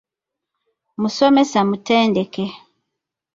Musomesa mutendeke.